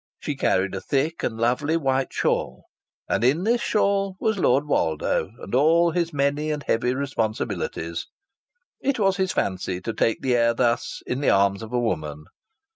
She carried a thick and lovely white shawl, and in this shawl was Lord Woldo and all his many and heavy responsibilities. It was his fancy to take the air thus, in the arms of a woman.